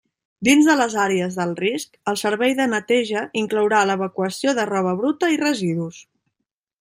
Dins de les àrees d'alt risc, el servei de neteja inclourà l'evacuació de roba bruta i residus.